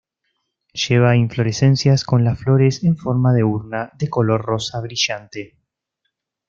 Lleva inflorescencias con las flores en forma de urna de color rosa brillante.